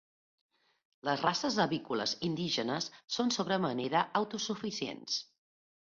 Les races avícoles indígenes són sobre manera autosuficients.